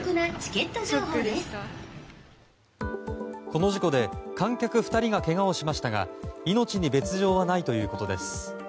この事故で観客２人がけがをしましたが命に別条はないということです。